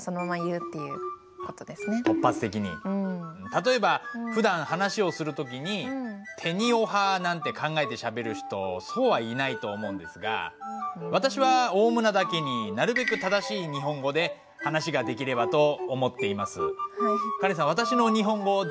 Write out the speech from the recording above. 例えばふだん話をする時に「てにをは」なんて考えてしゃべる人そうはいないと思うんですが私はオウムなだけになるべく正しい日本語で話ができればと思っています。